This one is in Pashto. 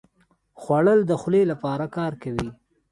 خوړل د خولې لپاره کار کوي